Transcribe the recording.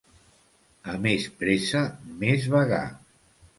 A més pressa, més vagar.